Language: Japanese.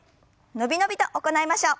伸び伸びと行いましょう。